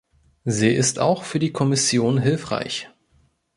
Sie ist auch für die Kommission hilfreich.